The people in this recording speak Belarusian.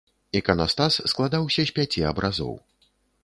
Іканастас складаўся з пяці абразоў.